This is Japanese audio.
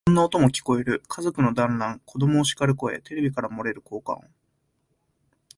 いろんな音も聞こえる。家族の団欒、子供をしかる声、テレビから漏れる効果音、